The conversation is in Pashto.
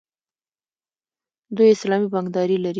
دوی اسلامي بانکداري لري.